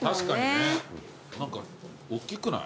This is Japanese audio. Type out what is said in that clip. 何かおっきくない？